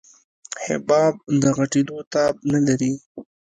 حباب د غټېدو تاب نه لري.